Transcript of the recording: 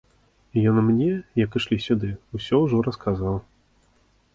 Ён мне, як ішлі сюды, усё ўжо расказаў.